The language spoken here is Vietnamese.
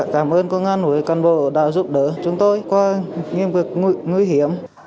cảm ơn công an của cân bộ đã giúp đỡ chúng tôi qua nhiệm vực nguy hiểm